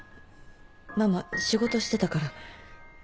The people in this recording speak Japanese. ママ仕事してたから。